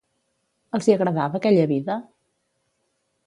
Els hi agradava aquella vida?